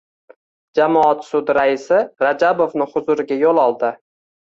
Jamoat sudi raisi Rajabovni huzuriga yo‘l oldi.